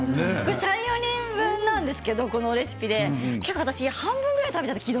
３、４人分なんですけどこのレシピで半分ぐらい食べちゃいました。